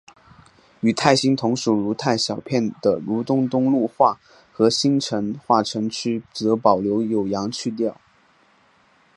与泰兴同属如泰小片的如东东路话和兴化城区则保留有阳去调。